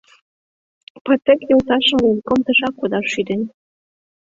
Патек йолташым военком тышак кодаш шӱден.